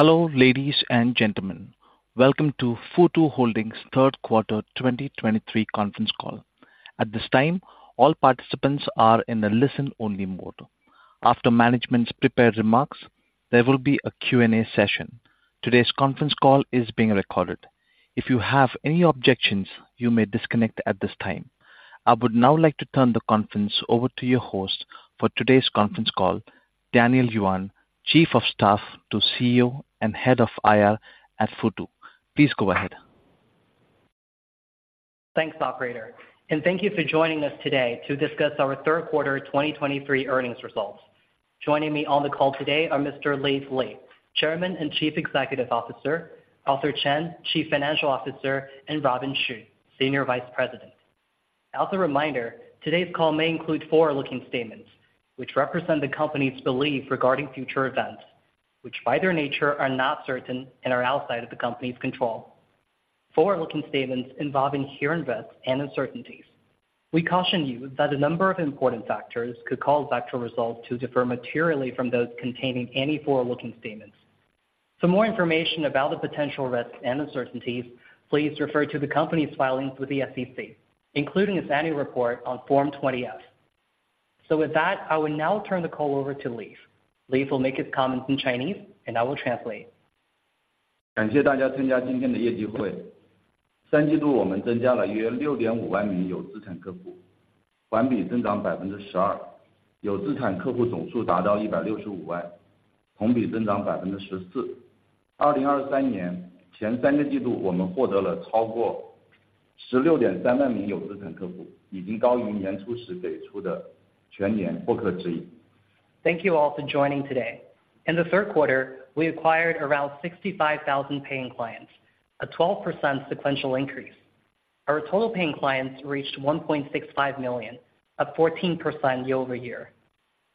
Hello, ladies and gentlemen. Welcome to Futu Holdings Third Quarter 2023 Conference Call. At this time, all participants are in a listen-only mode. After management's prepared remarks, there will be a Q&A session. Today's conference call is being recorded. If you have any objections, you may disconnect at this time. I would now like to turn the conference over to your host for today's conference call, Daniel Yuan, Chief of Staff to CEO and Head of IR at Futu. Please go ahead. Thanks, operator, and thank you for joining us today to discuss our third quarter 2023 earnings results. Joining me on the call today are Mr. Leaf Li, Chairman and Chief Executive Officer, Arthur Chen, Chief Financial Officer, and Robin Xu, Senior Vice President. As a reminder, today's call may include forward-looking statements, which represent the company's belief regarding future events, which, by their nature, are not certain and are outside of the company's control. Forward-looking statements involving inherent risks and uncertainties. We caution you that a number of important factors could cause actual results to differ materially from those containing any forward-looking statements. For more information about the potential risks and uncertainties, please refer to the company's filings with the SEC, including its annual report on Form 20-F. So with that, I will now turn the call over to Leaf. Leaf will make his comments in Chinese, and I will translate. Thank you all for joining today. In the third quarter, we acquired around 65,000 paying clients, a 12% sequential increase. Our total paying clients reached 1.65 million, up 14% year-over-year.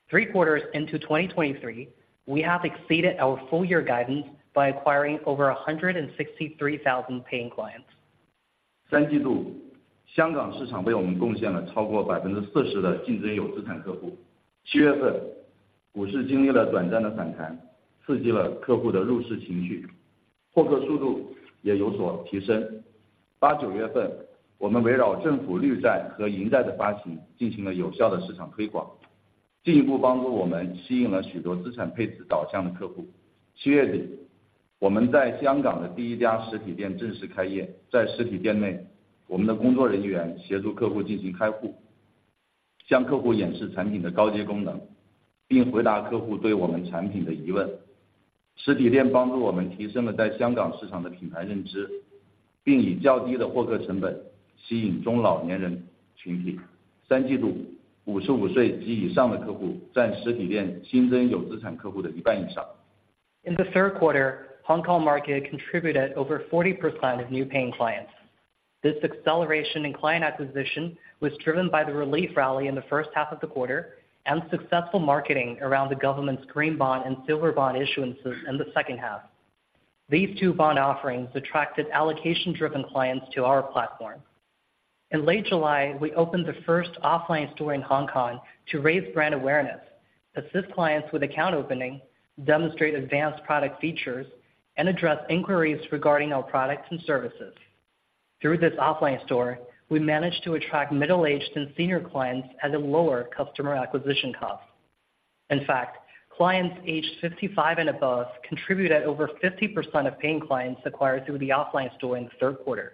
Three quarters into 2023, we have exceeded our full year guidance by acquiring over 163,000 paying clients. Third quarter, Hong Kong market contributed over 40% of new paying clients. This acceleration in client acquisition was driven by the relief rally in the first half of the quarter and successful marketing around the government's Green Bond and Silver Bond issuances in the second half. These two bond offerings attracted allocation-driven clients to our platform. In late July, we opened the first offline store in Hong Kong to raise brand awareness, assist clients with account opening, demonstrate advanced product features, and address inquiries regarding our products and services. Through this offline store, we managed to attract middle-aged and senior clients at a lower customer acquisition cost. In fact, clients aged 55 and above contributed over 50% of paying clients acquired through the offline store in the third quarter.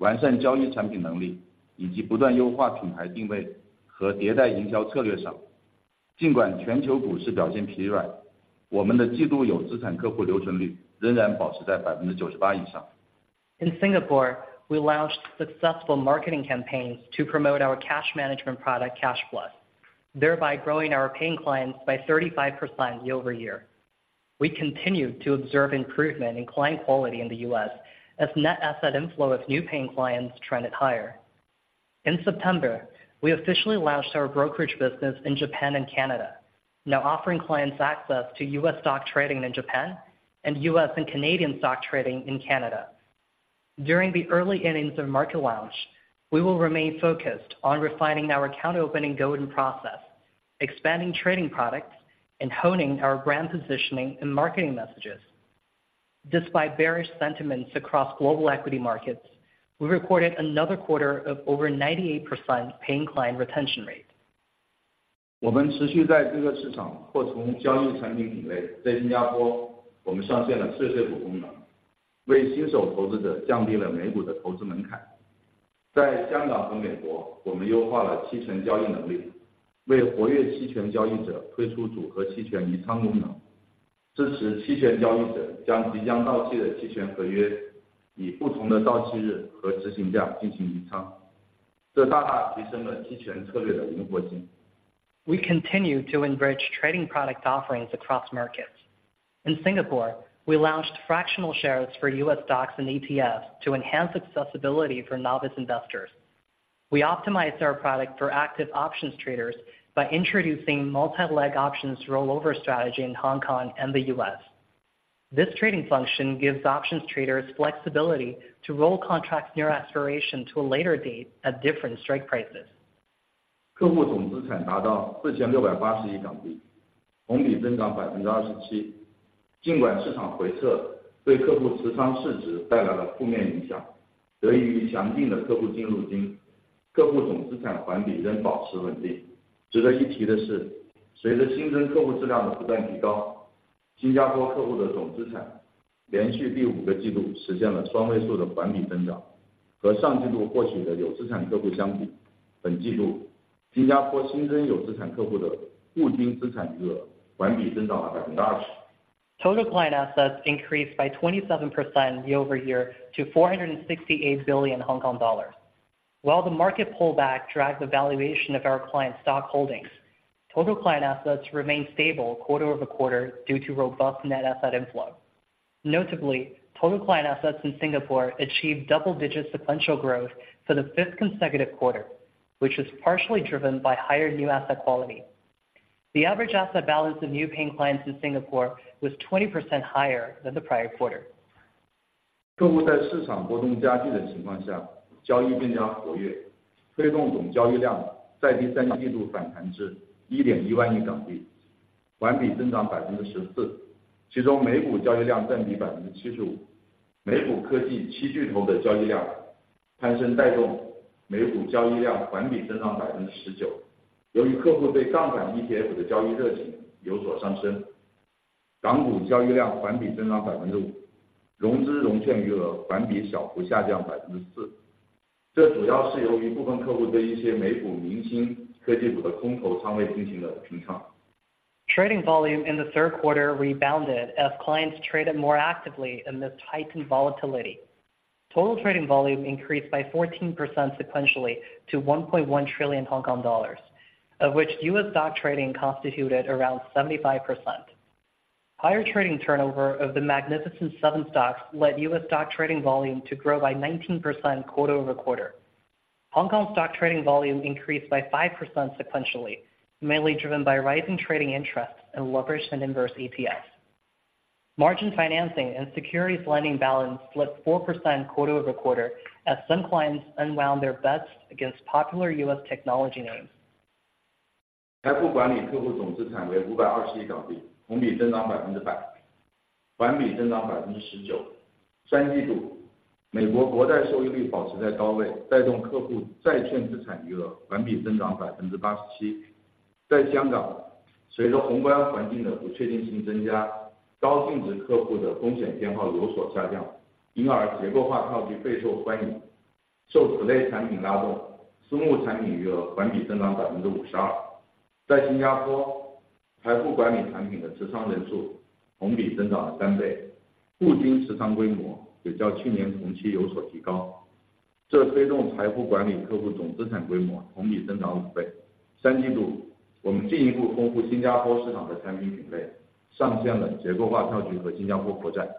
In Singapore, we launched successful marketing campaigns to promote our cash management product, Cash Plus, thereby growing our paying clients by 35% year-over-year. We continued to observe improvement in client quality in the U.S. as net asset inflow of new paying clients trended higher. In September, we officially launched our brokerage business in Japan and Canada, now offering clients access to U.S. stock trading in Japan and U.S. and Canadian stock trading in Canada. During the early innings of market launch, we will remain focused on refining our account opening golden process, expanding trading products, and honing our brand positioning and marketing messages. Despite bearish sentiments across global equity markets, we recorded another quarter of over 98% paying client retention rate. We continued to expand our product offerings in existing markets. In Singapore, we launched fractional share feature, which lowered the investment barrier for new individual investors. In Hong Kong and the US, we enhanced our options trading capabilities and launched an options trading platform with integrated risk management features supporting options traders to close positions on options contracts that are about to expire with different expiration dates and strike prices, which greatly enhances the flexibility of options strategies. We continue to enrich trading product offerings across markets. In Singapore, we launched fractional shares for U.S. stocks and ETFs to enhance accessibility for novice investors. We optimized our product for active options traders by introducing Multi-leg Options Rollover Strategy in Hong Kong and the U.S. This trading function gives options traders flexibility to roll contracts near expiration to a later date at different strike prices. Client total assets reached HKD 468 billion, up 27% year-over-year. Despite the market pullback bringing negative impact to client position market value, benefiting from strong client net inflows, client total assets remained stable quarter-over-quarter. Worth mentioning is that, with the continuous improvement of new client quality, Singapore clients' total assets realized double-digit quarter-over-quarter growth for the fifth consecutive quarter. Compared to the clients with assets acquired last quarter, the average asset balance of new clients with assets in Singapore this quarter grew 20% quarter-over-quarter. Total client assets increased by 27% year-over-year to 468 billion Hong Kong dollars. While the market pullback dragged the valuation of our client's stock holdings, total client assets remained stable quarter-over-quarter due to robust net asset inflow. Notably, total client assets in Singapore achieved double-digit sequential growth for the fifth consecutive quarter, which was partially driven by higher new asset quality. The average asset balance of new paying clients in Singapore was 20% higher than the prior quarter. Trading volume in the third quarter rebounded as clients traded more actively amid heightened volatility. Total trading volume increased by 14% sequentially to 1.1 trillion Hong Kong dollars, of which U.S. stock trading constituted around 75%. Higher trading turnover of the Magnificent Seven stocks led U.S. stock trading volume to grow by 19% quarter-over-quarter. Hong Kong stock trading volume increased by 5% sequentially, mainly driven by rising trading interests and Leveraged and Inverse ETFs. Margin financing and securities lending balance slipped 4% quarter-over-quarter as some clients unwound their bets against popular U.S. technology names. The total assets of wealth management clients were HKD 52 billion, up 100% year-over-year and up 19% quarter-over-quarter. In the third quarter, US Treasury yields remained high, driving customer bond asset balances up 87% quarter-over-quarter. In Hong Kong, with increasing macroeconomic uncertainty, high-net-worth clients' risk appetite has declined, thus structured products are highly popular. Driven by such products, private placement product balances increased 52% quarter-over-quarter. In Singapore, the number of holders of wealth management products increased 3x year-over-year, and the average holding size also improved compared to the same period last year, which drove the total assets of wealth management clients up 5x year-over-year. In the third quarter, we further enriched the product categories in the Singapore market, launching structured products and Singapore government bonds.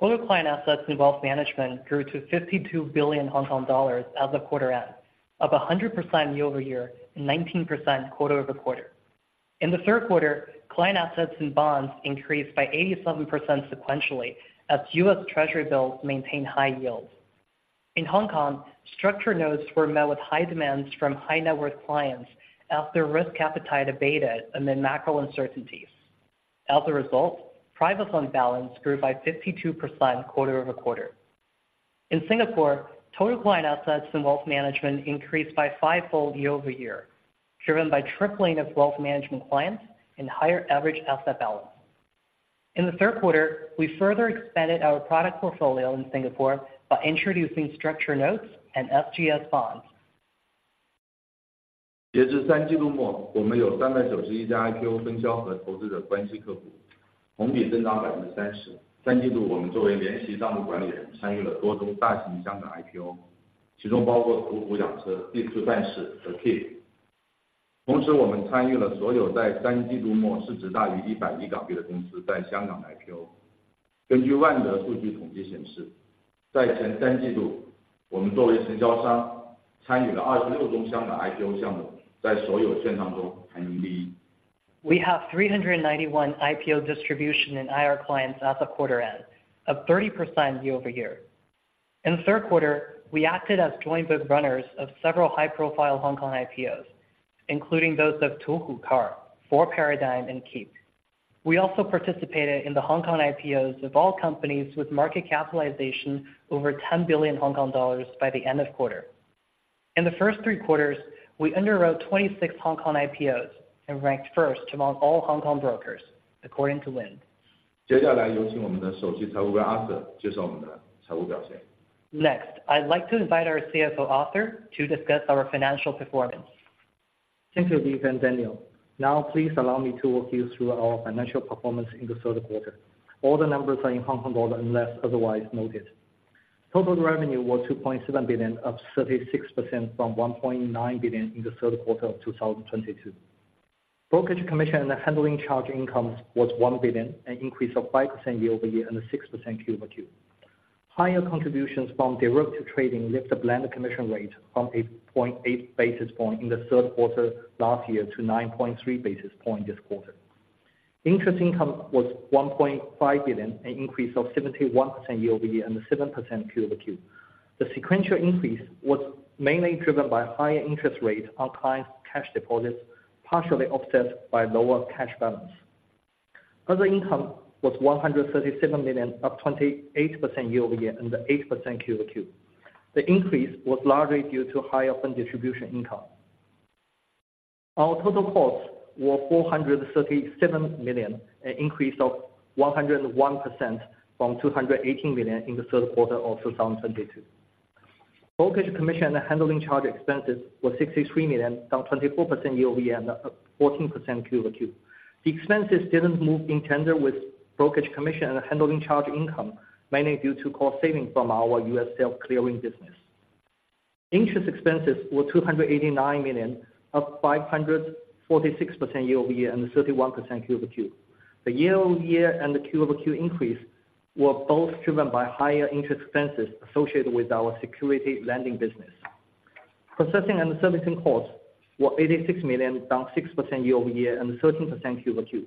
Total client assets in wealth management grew to 52 billion Hong Kong dollars as of quarter end, up 100% year-over-year and 19% quarter-over-quarter. In the third quarter, client assets and bonds increased by 87% sequentially as U.S. Treasury bills maintained high yields. In Hong Kong, structured notes were met with high demands from high-net-worth clients as their risk appetite abated amid macro uncertainties. As a result, private loan balance grew by 52% quarter-over-quarter. In Singapore, total client assets and wealth management increased fivefold year-over-year, driven by tripling of wealth management clients and higher average asset balance. In the third quarter, we further expanded our product portfolio in Singapore by introducing structured notes and SGS bonds. As of the end of the third quarter, we have 391 IPO distribution and investment relationship clients, a year-over-year increase of 30%. In the third quarter, we, as joint bookrunners, participated in multiple large Hong Kong IPOs, including Tuhu Car, Fourth Paradigm and Keep. At the same time, we participated in all Hong Kong IPOs of companies with a market value greater than HKD 10 billion at the end of the third quarter. According to Wind data statistics, in the first three quarters, we, as a dealer, participated in 26 Hong Kong IPO projects, ranking first among all securities firms. We have 391 IPO distribution and IR clients as of quarter-end, up 30% year-over-year. In the third quarter, we acted as joint book runners of several high-profile Hong Kong IPOs, including those of Tuhu Car, Fourth Paradigm, and Keep. We also participated in the Hong Kong IPOs of all companies with market capitalization over 10 billion Hong Kong dollars by the end of quarter. In the first three quarters, we underwrote 26 Hong Kong IPOs and ranked first among all Hong Kong brokers, according to Wind. 接下来有请我们的首席财务官 Arthur 介绍我们的财务表现。Next, I'd like to invite our CFO, Arthur, to discuss our financial performance. Thank you, Leaf and Daniel. Now, please allow me to walk you through our financial performance in the third quarter. All the numbers are in Hong Kong dollar, unless otherwise noted. Total revenue was 2.7 billion, up 36% from 1.9 billion in the third quarter of 2022. Brokerage commission and handling charge income was 1 billion, an increase of 5% year-over-year and 6% Q-over-Q. Higher contributions from derivative trading lift the blended commission rate from 8.8 basis points in the third quarter last year to 9.3 basis points this quarter. Interest income was 1.5 billion, an increase of 71% year-over-year and 7% Q-over-Q. The sequential increase was mainly driven by higher interest rates on clients' cash deposits, partially offset by lower cash balance. Other income was $137 million, up 28% year-over-year and 8% Q-over-Q. The increase was largely due to higher fund distribution income. Our total costs were $437 million, an increase of 101% from $218 million in the third quarter of 2022. Brokerage commission and handling charge expenses were $63 million, down 24% year-over-year and fourteen percent Q-over-Q. The expenses didn't move in tandem with brokerage commission and handling charge income, mainly due to cost saving from our U.S. self-clearing business. Interest expenses were $289 million, up 546% year-over-year, and 31% Q-over-Q. The year-over-year and the Q-over-Q increase were both driven by higher interest expenses associated with our securities lending business. Processing and servicing costs were 86 million, down 6% year-over-year and 13% Q-over-Q.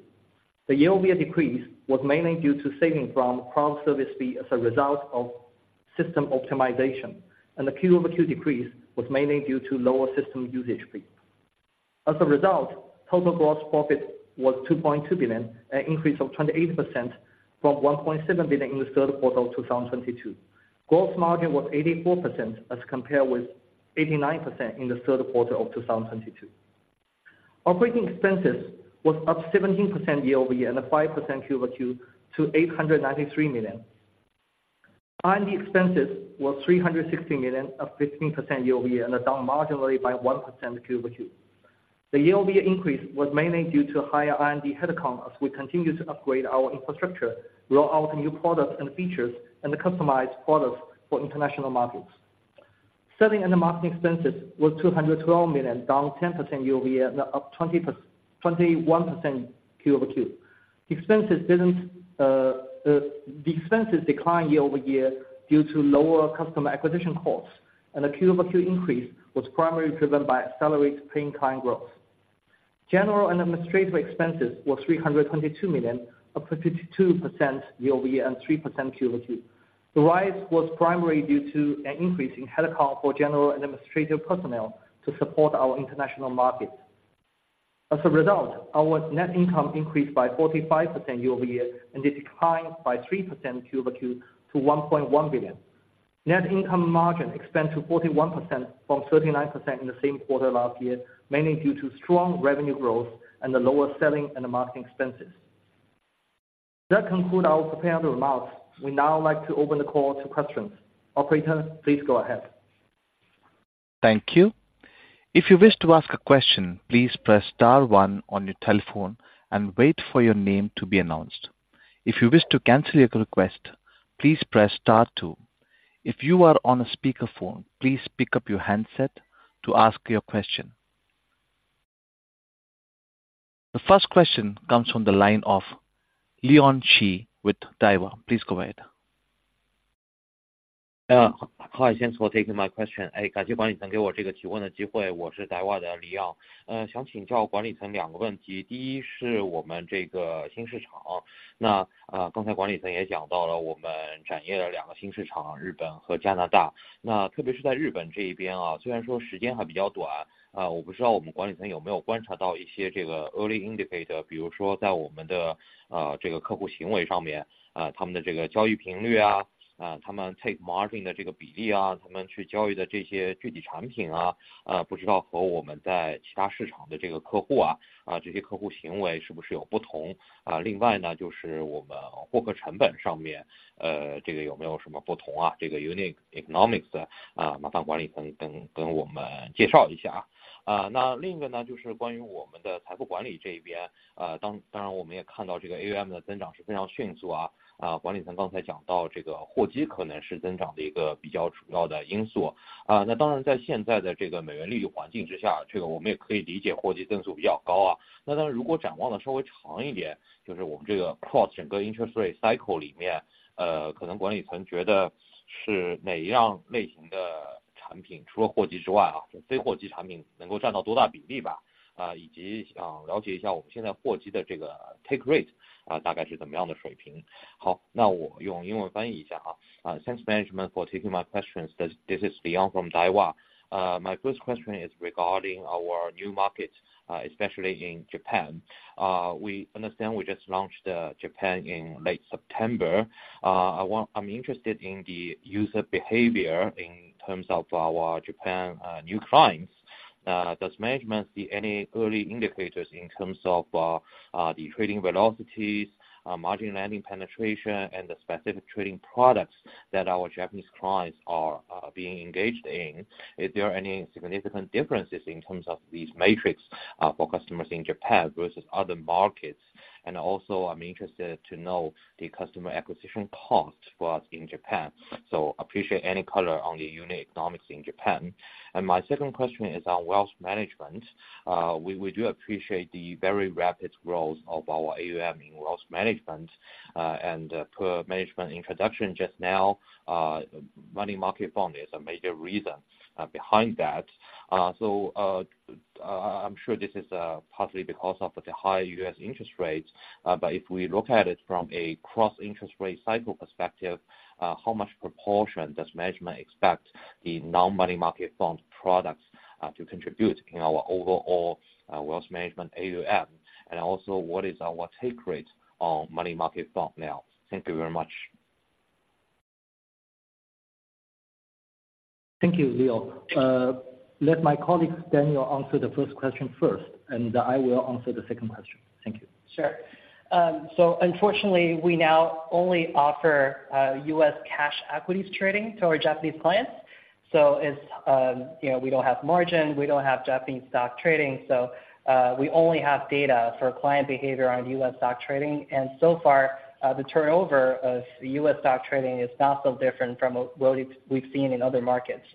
The year-over-year decrease was mainly due to savings from cloud service fee as a result of system optimization, and the Q-over-Q decrease was mainly due to lower system usage fee. As a result, total gross profit was 2.2 billion, an increase of 28% from 1.7 billion in the third quarter of 2022. Gross margin was 84%, as compared with 89% in the third quarter of 2022. Operating expenses was up 17% year-over-year and 5% Q-over-Q to 893 million. R&D expenses were 360 million, up 15% year-over-year, and down marginally by 1% Q-over-Q. The year-over-year increase was mainly due to higher R&D headcount, as we continue to upgrade our infrastructure, roll out new products and features, and customize products for international markets. Selling and marketing expenses were 212 million, down 10% year-over-year and up 21% quarter-over-quarter. The expenses declined year-over-year due to lower customer acquisition costs, and the quarter-over-quarter increase was primarily driven by accelerated paying client growth. General and administrative expenses were 322 million, up 52% year-over-year and 3% quarter-over-quarter. The rise was primarily due to an increase in headcount for general administrative personnel to support our international markets. As a result, our net income increased by 45% year-over-year, and it declined by 3% quarter-over-quarter to 1.1 billion. Net income margin expanded to 41% from 39% in the same quarter last year, mainly due to strong revenue growth and the lower selling and marketing expenses. That conclude our prepared remarks. We'd now like to open the call to questions. Operator, please go ahead. Thank you. If you wish to ask a question, please press star one on your telephone and wait for your name to be announced. If you wish to cancel your request, please press star two. If you are on a speakerphone, please pick up your handset to ask your question. The first question comes from the line of Leon Qi with Daiwa. Please go ahead. Hi, thanks for taking my question. 谢谢管理层给我这个提问的机会，我是Daiwa的Leon Qi。想请教管理层两个问题，第一是我们这个新市场，刚才管理层也讲到了，我们展业的两个新市场，日本和加拿大，特别是在日本这一边，虽然说时间还比较短，我不知道我们管理层有没有观察到一些这个early indicator，比如说在我们的，这个客户行为上面，他们的这个交易频率，他们take economics，麻烦管理层跟我们介绍一下。那另一个呢，就是关于我们的财富管理这一边，当然我们也看到这个AUM的增长是非常迅速，管理层刚才讲到，这个获客可能是增长的一个比较主要的因素。当然，在现在的这个美元利率环境之下，这个我们也可以理解，获客增速比较高。当然，如果展望得稍微长一点，就是我们这个cross整个interest rate cycle里面，可能管理层觉得是哪一样类型的-... 除了货基之外，非货基产品能够占到多大比例吧，以及了解一下我们现在的货基的这个take rate，大概是怎么样的水平。好，那我用英文翻译一下。Thanks management for taking my questions, this is Leon from Daiwa. My first question is regarding our new markets, especially in Japan. We understand we just launched in Japan in late September. I'm interested in the user behavior in terms of our Japan new clients. Does management see any early indicators in terms of the trading velocities, margin lending penetration and the specific trading products that our Japanese clients are being engaged in? Is there any significant differences in terms of these metrics for customers in Japan versus other markets? And also, I'm interested to know the customer acquisition cost for us in Japan. So appreciate any color on the unit economics in Japan. And my second question is on wealth management. We do appreciate the very rapid growth of our AUM in wealth management, and per management introduction just now, money market fund is a major reason behind that. So, I'm sure this is partly because of the high US interest rates, but if we look at it from a cross-interest rate cycle perspective, how much proportion does management expect the non-money market fund products to contribute in our overall wealth management AUM? And also, what is our take rate on money market fund now? Thank you very much. Thank you, Leo. Let my colleague Daniel answer the first question first, and I will answer the second question. Thank you. Sure. So unfortunately, we now only offer U.S. cash equities trading to our Japanese clients. So it's, you know, we don't have margin, we don't have Japanese stock trading, so we only have data for client behavior on U.S. stock trading. And so far, the turnover of US stock trading is not so different from what we've seen in other markets.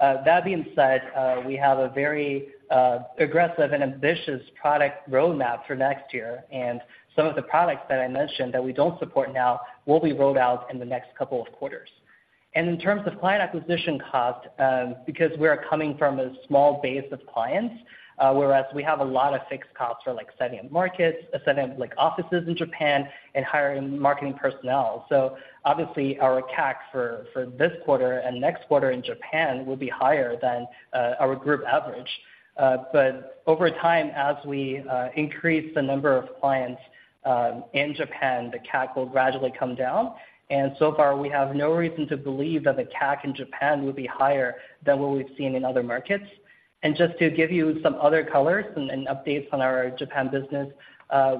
That being said, we have a very aggressive and ambitious product roadmap for next year, and some of the products that I mentioned that we don't support now will be rolled out in the next couple of quarters. And in terms of client acquisition cost, because we are coming from a small base of clients, whereas we have a lot of fixed costs for like setting up markets, setting up like offices in Japan and hiring marketing personnel. So obviously, our CAC for this quarter and next quarter in Japan will be higher than our group average. But over time, as we increase the number of clients in Japan, the CAC will gradually come down. And so far, we have no reason to believe that the CAC in Japan would be higher than what we've seen in other markets. And just to give you some other colors and updates on our Japan business,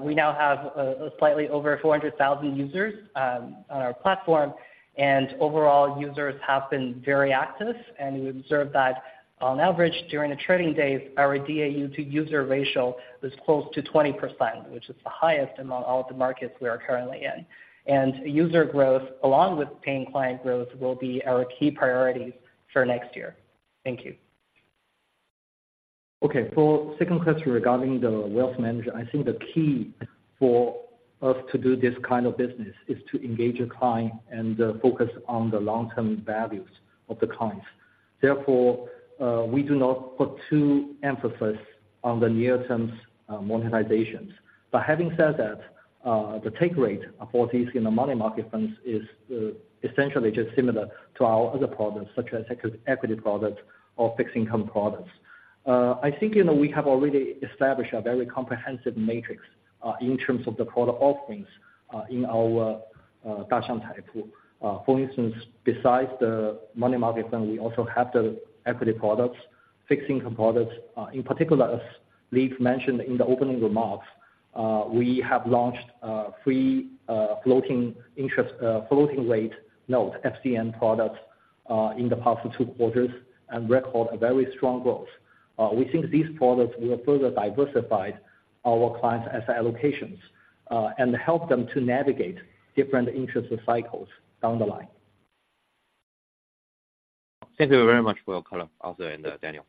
we now have slightly over 400,000 users on our platform, and overall, users have been very active, and we observe that on average, during the trading days, our DAU to user ratio is close to 20%, which is the highest among all the markets we are currently in. And user growth, along with paying client growth, will be our key priorities for next year. Thank you. Okay, for the second question regarding the wealth management, I think the key for us to do this kind of business is to engage the client and focus on the long-term values of the clients. Therefore, we do not put too emphasis on the near-term monetizations. But having said that, the take rate for these in the money market funds is essentially just similar to our other products, such as equity products or fixed income products. I think, you know, we have already established a very comprehensive matrix in terms of the product offerings in our Dasheng Taipu. For instance, besides the money market fund, we also have the equity products, fixed income products. In particular, as Leaf mentioned in the opening remarks, we have launched a free floating interest floating rate note FCN product in the past two quarters and record a very strong growth. We think these products will further diversify our clients as allocations and help them to navigate different interest cycles down the line. Thank you very much for your color, Arthur and Daniel.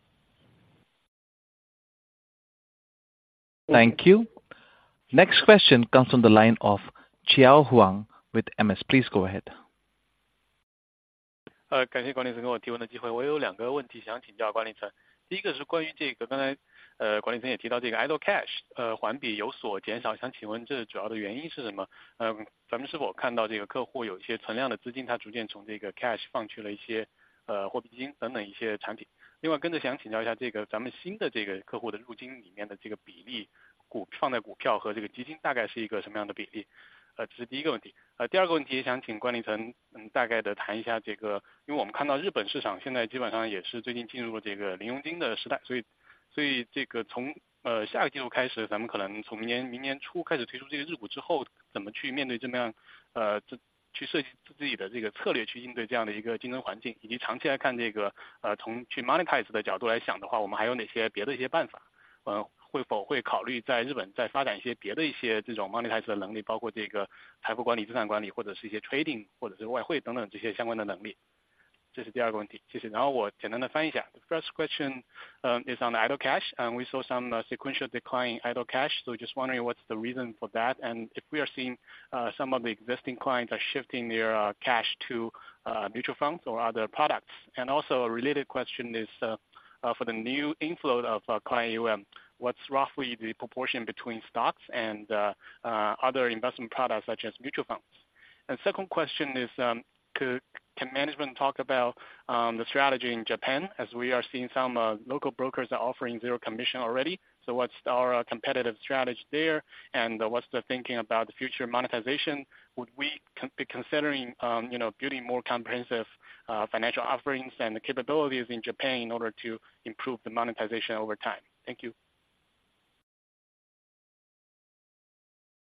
Thank you. Next question comes from the line of Chiyao Huang with MS. Please go ahead. 谢谢管理层给我提问的机会。我有两个问题想请教管理层：第一个是关于这个，刚才管理层也提到这个 idle cash，环比有所减少，想请问这主要的原因是什么？咱们是否看到这个客户有一些存量的资金，他逐渐从这个 cash 放到了一些货币基金等等一些产品。另外跟着想请教一下，这个咱们新的这个客户入金里面的这个比例，股—放在股票和这个基金大概是一个什么样的比例？这是第一个问题。第二个问题想请管理层，大概地谈一下，这个，因为我们看到日本市场现在基本上也是最近进入了这个零佣金的时代，所以，所以这个从，下个季度开始，咱们可能从明年，明年初开始推出这个日股之后，怎么去面对这样，去设计自己的这个策略，去应对这样的一个竞争环境，以及长期来看，这个，从去 monetize 的角度来看的话，我们还有哪些别的的一些办法？是否会考虑在日本再发展一些别的的一些这种 monetize 的能力，包括这个财富管理、资产管理，或者是一些 trading，或者是外汇等等这些相关的能力。这是第二个问题，谢谢！然后我简单地翻译一下。The first question is on the idle cash, and we saw some sequential decline in idle cash. So just wondering what's the reason for that? And if we are seeing some of the existing clients are shifting their cash to mutual funds or other products. And also a related question is for the new inflow of client AUM, what's roughly the proportion between stocks and other investment products such as mutual funds? And second question is, can management talk about the strategy in Japan as we are seeing some local brokers are offering zero commission already. So what's our competitive strategy there? And what's the thinking about the future monetization? Would we be considering, you know, building more comprehensive financial offerings and capabilities in Japan in order to improve the monetization over time? Thank you.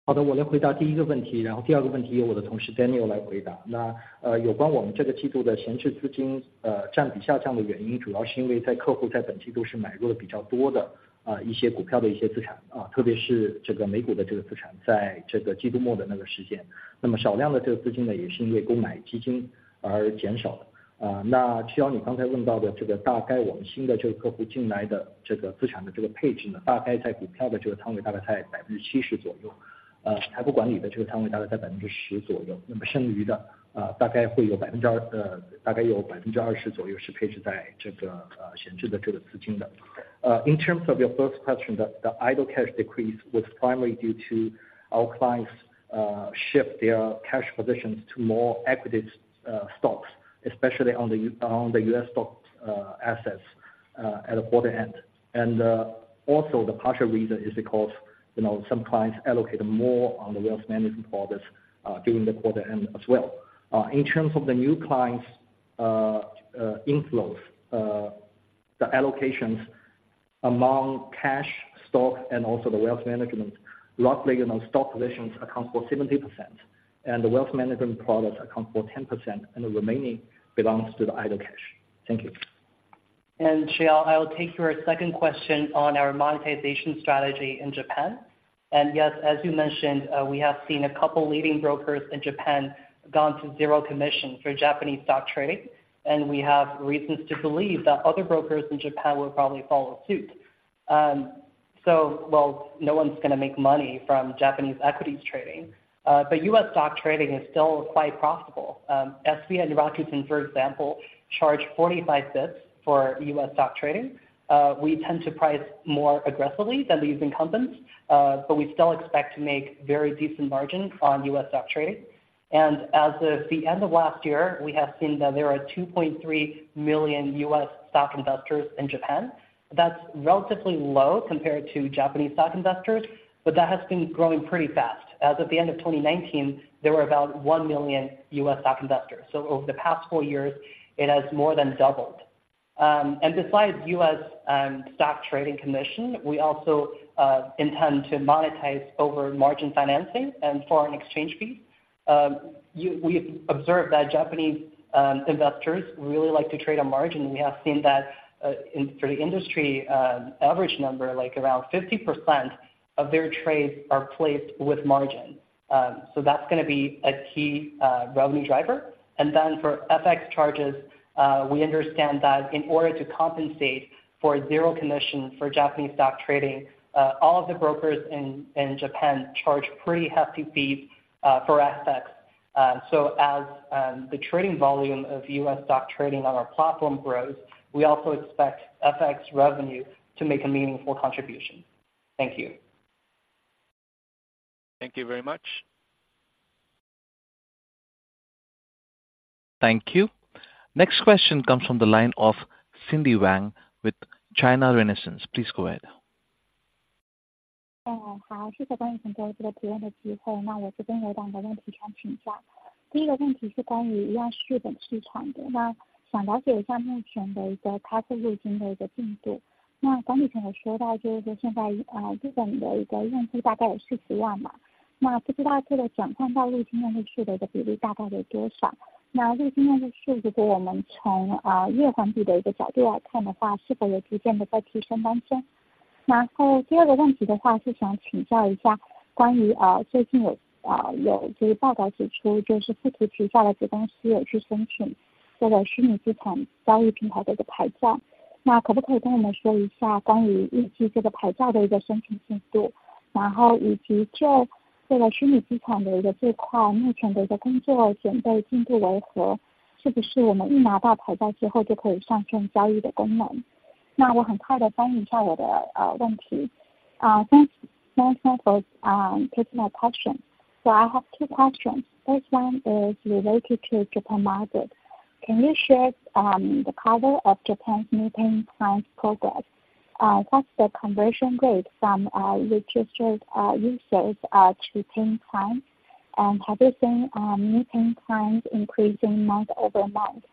好的，我来回答第一个问题，然后第二个问题由我的同事Daniel来回答。那，关于我们这个季度的闲置资金，占比下降的原因，主要是因为客户在本季度买入了比较多的，一些股票的一些资产啊，特别是这个美股的这个资产，在这个季度末的那个时间。那么少量的这个资金呢，也是因为购买基金而减少的。那只要你刚才问到的这个，大概我们新的这个客户进来的这个资产的这个配置呢，大概在股票的这个仓位大概在70%左右，财富管理的这个仓位大概在10%左右，那么剩余的，大概有20%左右是配置在这个，闲置的这个资金的。In terms of your first question, the idle cash decrease was primarily due to our clients shift their cash positions to more equities, stocks, especially on the US stock assets at the quarter end. Also the partial reason is because, you know, some clients allocated more on the wealth management products during the quarter end as well. In terms of the new clients' inflows, the allocations among cash, stock and also the wealth management, roughly, you know, stock positions account for 70%, and the wealth management products account for 10%, and the remaining belongs to the idle cash. Thank you. Chiyao, I'll take your second question on our monetization strategy in Japan. Yes, as you mentioned, we have seen a couple leading brokers in Japan gone to zero commission for Japanese stock trading, and we have reasons to believe that other brokers in Japan will probably follow suit. So well, no one's gonna make money from Japanese equities trading, but US stock trading is still quite profitable. SBI and Rakuten, for example, charge 45 basis points for US stock trading. We tend to price more aggressively than these incumbents, but we still expect to make very decent margins on US stock trading. And as of the end of last year, we have seen that there are 2.3 million US stock investors in Japan. That's relatively low compared to Japanese stock investors, but that has been growing pretty fast. As of the end of 2019, there were about 1 million U.S. stock investors. So over the past four years, it has more than doubled. And besides U.S. stock trading commission, we also intend to monetize over margin financing and foreign exchange fees. We observe that Japanese investors really like to trade on margin, and we have seen that in, for the industry, average number, like around 50% of their trades are placed with margin. So that's gonna be a key revenue driver. And then for FX charges, we understand that in order to compensate for zero commission for Japanese stock trading, all of the brokers in Japan charge pretty hefty fees for FX. So as the trading volume of U.S. stock trading on our platform grows, we also expect FX revenue to make a meaningful contribution. Thank you. Thank you very much. Thank you. Next question comes from the line of Cindy Wang with China Renaissance. Please go ahead. 嗯，好，谢谢各位提供这个提问的机会，那我这边有两个问题想请教。第一个问题是关于日本市场的，那想了解一下目前的一个开发路径的进度。那管理层有说到，就是说现在，日本的用户大概有400,000吧，那不知道这个转换到路径用户数据的比例大概有多少？那路径用户数据给我们从，月环比的角度来看的话，是否逐渐在提升当中？然后第二个问题的话，是想请教一下，关于，最近有，有这个报道指出，就是富途控股的子公司有去申请这个虚拟资产交易平台的牌照，那可不可以跟我们说一下关于预计这个牌照的申请进度，然后以及就这个虚拟资产的这一块，目前的工作进度如何？是不是我们一拿到牌照之后就可以上线交易的功能？那我很快的翻译一下我的，问题。Thanks, thanks for taking my question. So I have two questions. First one is related to Japan market. Can you share the cover of Japan's new paying clients progress? What's the conversion rate from registered users to paying clients? And have you seen new paying clients increasing month-over-month?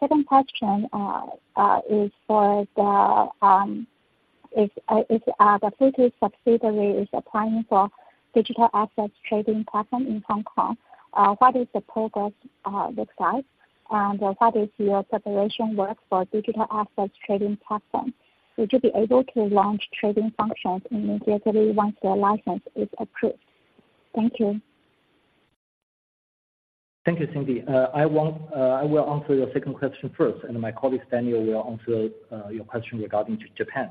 Second question is for the Futu subsidiary applying for digital assets trading platform in Hong Kong. What is the progress with that? And what is your preparation work for digital assets trading platform? Would you be able to launch trading functions immediately once your license is approved? Thank you. ...Thank you, Cindy. I want, I will answer your second question first, and my colleague Daniel will answer your question regarding to Japan.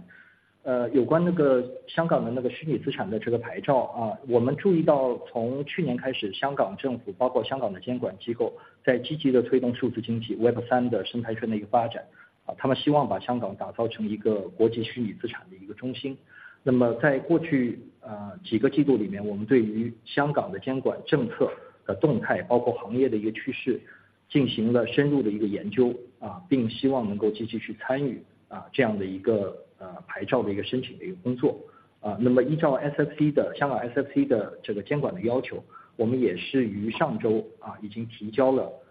有关香港的虚拟资产的这个牌照，我们注意到从去年开始，香港政府包括香港的监管机构，在积极地推动数字经济Web3的生态圈的一个发展，他们希望把香港打造成一个国际虚拟资产的一个中心。那么在过去，几个季度里面，我们对于香港的监管政策的动态，包括行业的一个趋势，进行了一个深入的一个研究，并希望能够积极去参与，这样的一个，牌照的一个申请的一个工作。那么依照SFC的香港SFC的这个监管的要求，我们也是于上周已经提交了，虚拟资产交易平台经营者的这样的一个牌照的申请。PantherTrade是富途集团下面的一个全资的这个子公司，那么它已经提交了相应的一个申请，我们预计整个的一个原则性的一个批复，需要大概6-9个月左右的时间，会拿到一个原则性的批复。如果我们在第一批能够拿到牌照的话。那目前对于未来的这个牌照获取以后如何去这个展业，目前我们还在做积极的一个相应的准备。那么从牌照的经营的范围里，是包含相应的这个交易的一个功能。We,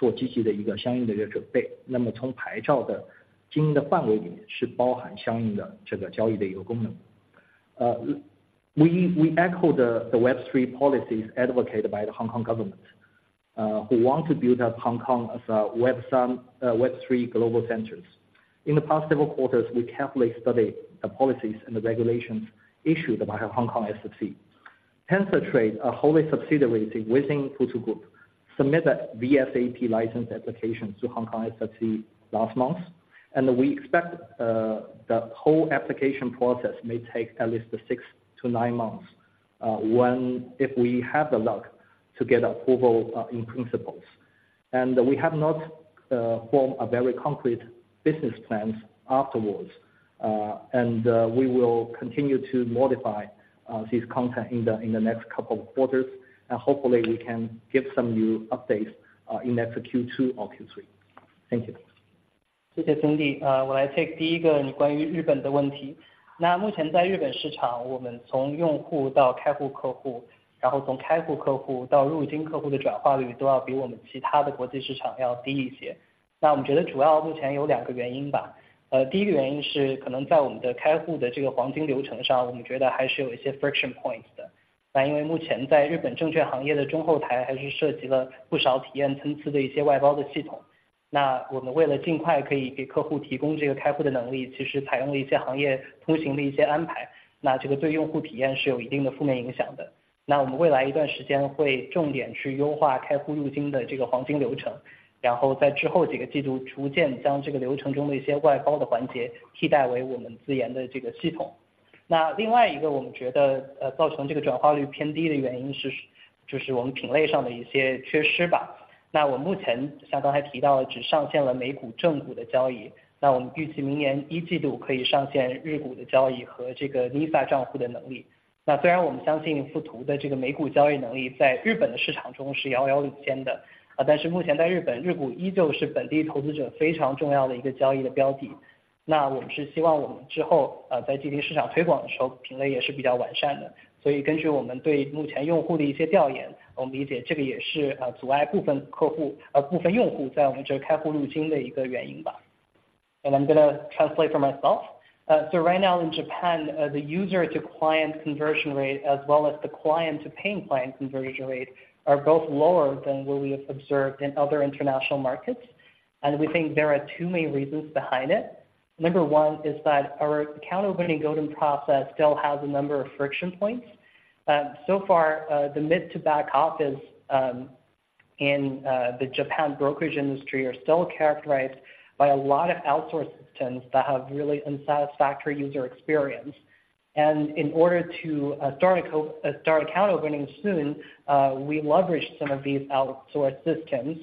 we echo the, the Web3 policies advocated by the Hong Kong government, who want to build up Hong Kong as a Web3, Web3 global centers. In the past several quarters, we carefully study the policies and the regulations issued by Hong Kong SFC. PantherTrade, a wholly-owned subsidiary within Futu Group, submitted VATP license application to Hong Kong SFC last month, and we expect, the whole application process may take at least 6-9 months. When, if we have the luck to get approval in principle. We have not form a very concrete business plans afterwards. We will continue to modify this content in the next couple of quarters, and hopefully we can give some new updates in next Q2 or Q3. Thank you. 谢谢Cindy。我来take第一个你关于日本的问题。目前在日本市场，我们从用户到开户客户，然后从开户客户到入金客户的转化率都要比我们其他的国际市场要低一些。我们觉得主要目前有两个原因吧。第一个原因是可能在我们开户的这个黄金流程上，我们觉得还是有一些friction I'm gonna translate for myself. So right now in Japan, the user to client conversion rate as well as the client to paying client conversion rate, are both lower than what we have observed in other international markets. And we think there are two main reasons behind it. Number one is that our account opening golden process still has a number of friction points. So far, the mid to back office in the Japan brokerage industry are still characterized by a lot of outsourced systems that have really unsatisfactory user experience. And in order to start account opening soon, we leverage some of these outsourced systems,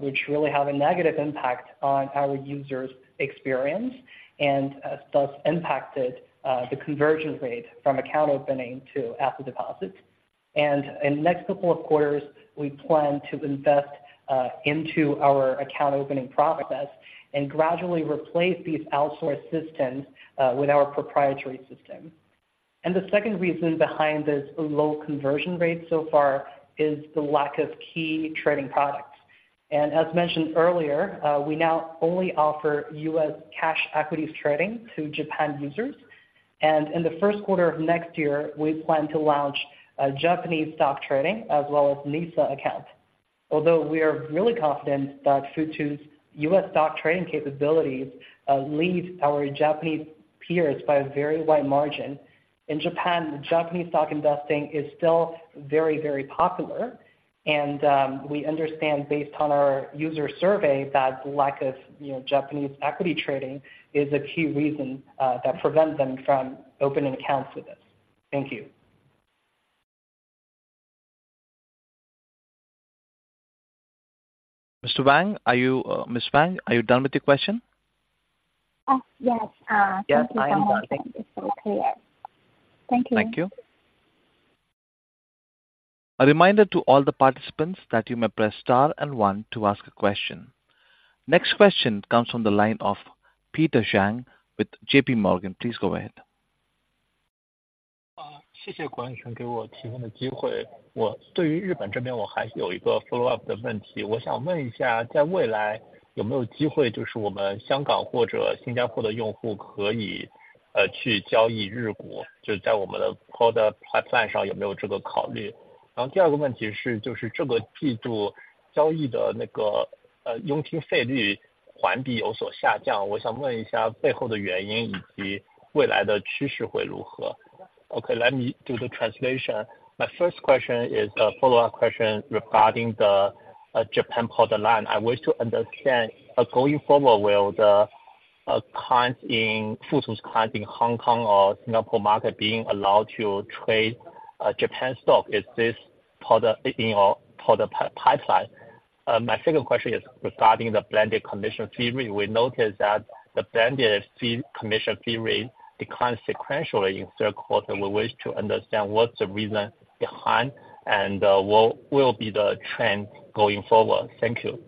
which really have a negative impact on our user experience, and thus impacted the conversion rate from account opening to asset deposits. And in next couple of quarters, we plan to invest into our account opening process and gradually replace these outsourced systems with our proprietary system. And the second reason behind this low conversion rate so far is the lack of key trading products. And as mentioned earlier, we now only offer US cash equities trading to Japan users. And in the first quarter of next year, we plan to launch a Japanese stock trading as well as NISA account. Although we are really confident that Futu's US stock trading capabilities leads our Japanese peers by a very wide margin. In Japan, Japanese stock investing is still very, very popular, and we understand, based on our user survey, that the lack of, you know, Japanese equity trading is a key reason that prevents them from opening accounts with us. Thank you. Mr. Wang, are you... Ms. Wang, are you done with your question? Yes. Yeah, I am done. It's all clear. Thank you. Thank you. A reminder to all the participants that you may press star and one to ask a question. Next question comes from the line of Peter Zhang with JP Morgan. Please go ahead. ...谢谢管理层给我提供的机会。我对于日本这边我还是有一个 follow up 的问题，我想问一下，在未来有没有机会，就是我们香港或者新加坡的用户可以，去交易日股，就在我们的 product pipeline 上有没有这个考虑？然后第二个问题是，就是这个季度交易的那个，佣金费率环比有所下降，我想问一下背后的原因以及未来的趋势会如何？Okay, let me do the translation. My first question is a follow up question regarding the Japan product line. I wish to understand, going forward, will the clients in Futu's clients in Hong Kong or Singapore market be allowed to trade Japan stock? Is this product in your product pipeline? My second question is regarding the blended commission fee. We notice that the blended fee commission fee rate decline sequentially in third quarter and we wish to understand what's the reason behind and what will be the trend going forward? Thank you.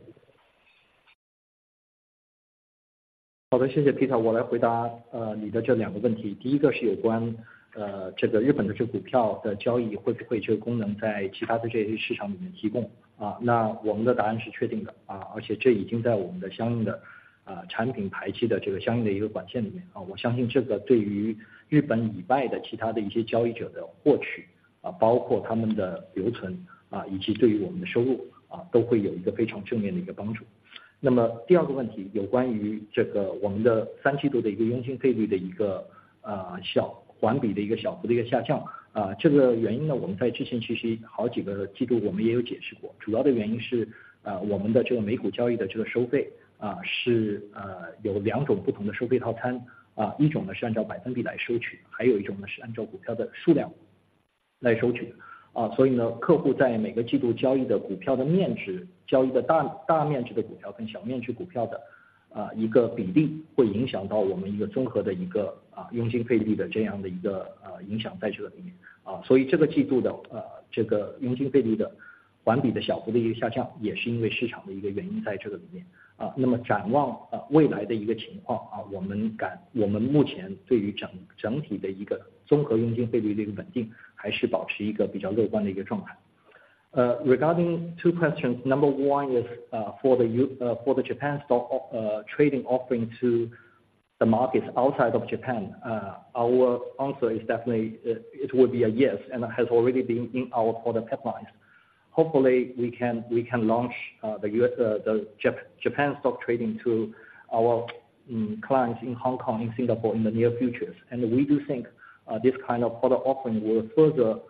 好的，谢谢Peter，我来回答你的这两个问题。第一个是有关这个日本的股票交易会不会这个功能在其他的这些市场里面提供。那我们的答案是确定的，而且这已经在我们的相应的产品排期的这个相应的一个管线里面。我相信这个对于日本以外的其他的的一些交易者的获取，包括他们的留存，以及对于我们的收入，都会有一个非常正面的一个帮助。那么第二个问题，有关于我们的三季度的佣金费率的一个环比的小幅的一个下降。这个原因呢，我们在之前其实好几个季度我们也有解释过，主要的原因是，我们的美股交易的收费，是有两种不同的收费套餐，一种呢是按照百分比来收取，还有一种呢是按照股票的数量来收取。所以呢，客户在每个季度交易的股票的面值，交易的大面值的股票跟小面值股票的，一个比例，会影响到我们一个综合的一个佣金费率这样的一个影响在这个里面。所以这个季度的佣金费率的环比的小幅的一个下降，也是因为市场的一个原因在这个里面。那么展望，未来的一个情况，我们目前对于整体的一个综合佣金费率的一个稳定，还是保持一个比较乐观的一个状态。Regarding two questions, number one is for the Japan stock trading offering to the markets outside of Japan, our answer is definitely it would be a yes, and it has already been in our product pipelines. Hopefully we can launch the US, the Japan stock trading to our clients in Hong Kong, in Singapore, in the near future. We do think this kind of product offering will further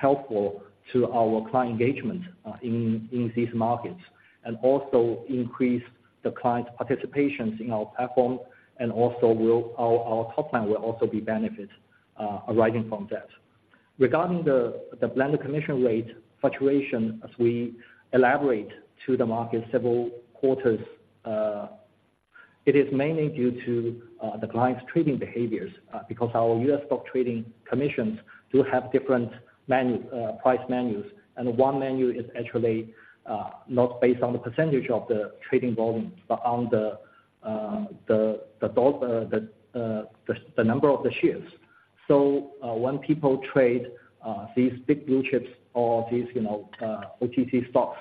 helpful to our client engagement in these markets, and also increase the client's participation in our platform, and also our top line will also be benefit arising from that. Regarding the blended commission rate fluctuation as we elaborate to the market several quarters, it is mainly due to the client's trading behaviors, because our U.S. stock trading commissions do have different menu, price menus, and one menu is actually not based on the percentage of the trading volume, but on the number of the shares. So, when people trade, these big blue chips or these, you know, OTC stocks,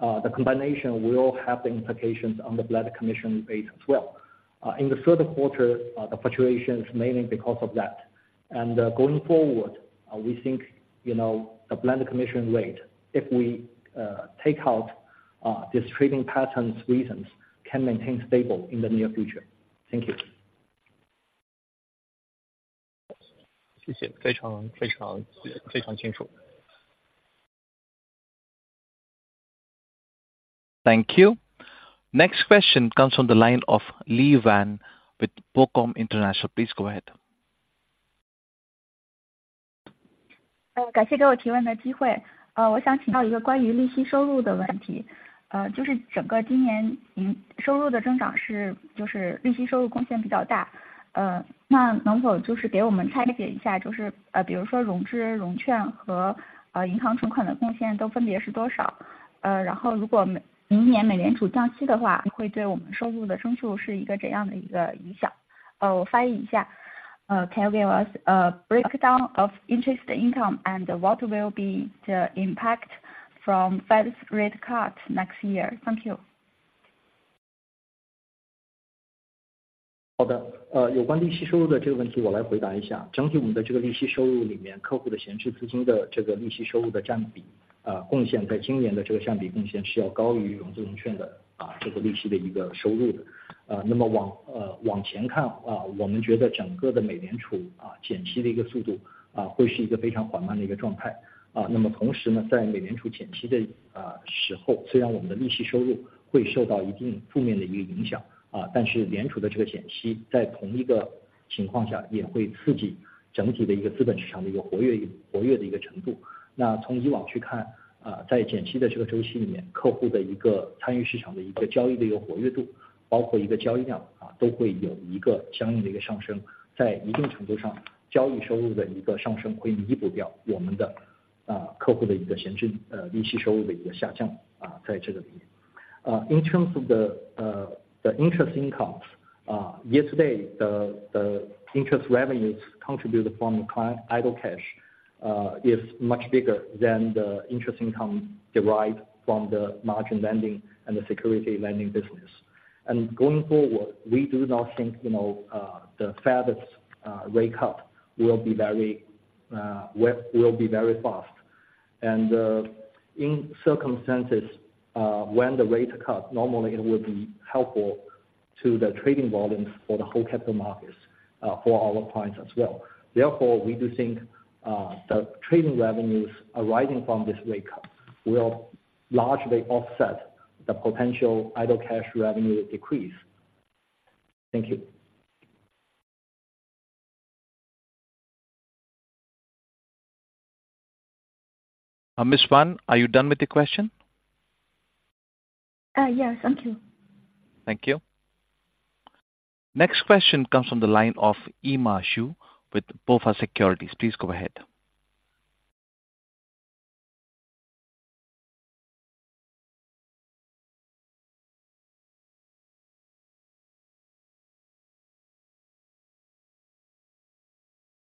the combination will have the implications on the blended commission rate as well. In the third quarter, the fluctuation is mainly because of that. And going forward, we think, you know, the blended commission rate if we take out these trading patterns, reasons, can maintain stable in the near future. Thank you. 谢谢，非常，非常，非常清楚。Thank you. Next question comes from the line of Li Wan with BOCOM International. Please go ahead. 感谢给我提问的机会。我想请教一个关于利息收入的问题，就是整个今年您收入的增长就是利息收入贡献比较大，那能否就是给我们拆解一下，就是，比如说融资融券和，银行存款的贡献分别是什么？然后如果明年美联储降息的话，会对我们收入的增速是一个怎样的一个影响？哦，我翻译一下，Can you give us a breakdown of interest income and what will be the impact from Fed's rate cut next year? Thank you。In terms of the interest income, yesterday, the interest revenues contributed from the client idle cash is much bigger than the interest income derived from the margin lending and the securities lending business. And going forward, we do not think, you know, the Fed's rate cut will be very, will, will be very fast. And in circumstances when the rate cut, normally it would be helpful to the trading volumes for the whole capital markets for our clients as well. Therefore, we do think the trading revenues arising from this rate cut will largely offset the potential idle cash revenue decrease. Thank you. Miss Wan, are you done with the question? Yes, thank you. Thank you. Next question comes from the line of Emma Xu with BofA Securities. Please go ahead.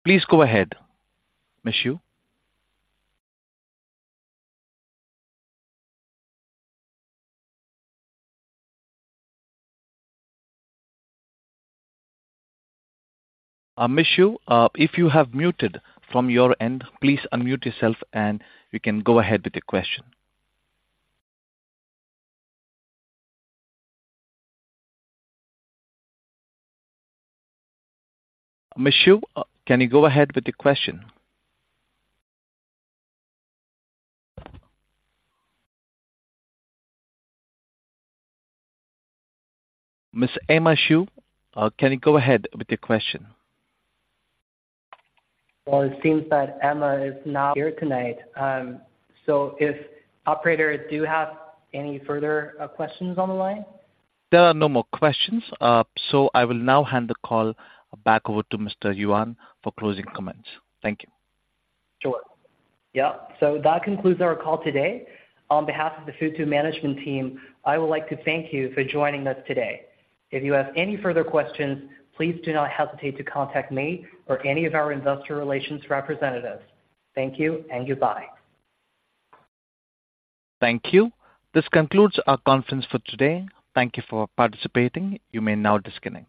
Please, go ahead, Miss Xu. Miss Xu, if you have muted from your end, please unmute yourself, and you can go ahead with the question. Miss Xu, can you go ahead with the question? Miss Emma Xu, can you go ahead with your question? Well, it seems that Emma is not here tonight. So, operator, do you have any further questions on the line? There are no more questions. So I will now hand the call back over to Mr. Yuan for closing comments. Thank you. Sure. Yeah. So that concludes our call today. On behalf of the Futu management team, I would like to thank you for joining us today. If you have any further questions, please do not hesitate to contact me or any of our investor relations representatives. Thank you and goodbye. Thank you. This concludes our conference for today. Thank you for participating. You may now disconnect.